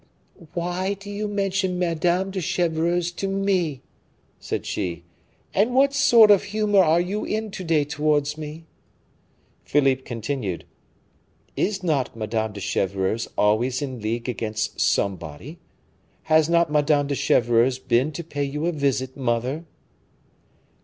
"Why do you mention Madame de Chevreuse to me?" said she, "and what sort of humor are you in to day towards me?" Philippe continued: "Is not Madame de Chevreuse always in league against somebody? Has not Madame de Chevreuse been to pay you a visit, mother?"